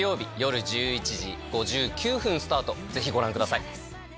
ぜひご覧ください。